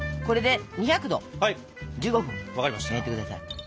これで２００℃１５分焼いて下さい。